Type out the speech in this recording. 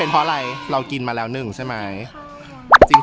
เพราะอะไรเรากินมาแล้วหนึ่งใช่ไหม